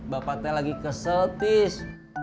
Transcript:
bapak t lagi kesel tis